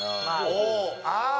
ああ。